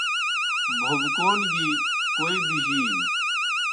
بھوبکون گیْ کوئے بِجِینوْ۔